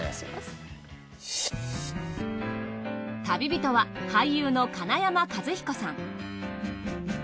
旅人は俳優の金山一彦さん。